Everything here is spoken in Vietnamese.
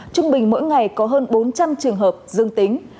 trung bình mỗi ngày có hơn bốn trăm linh trường hợp dương tính